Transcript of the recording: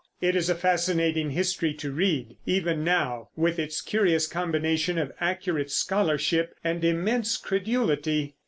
It is a fascinating history to read even now, with its curious combination of accurate scholarship and immense credulity.